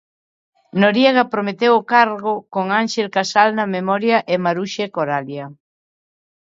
Noriega prometeu o cargo "con Ánxel Casal na memoria e Maruxa e Coralia".